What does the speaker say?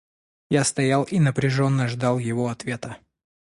Я стоял и напряженно ждал его ответа.